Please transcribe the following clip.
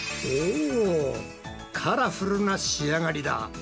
おカラフルな仕上がりだ！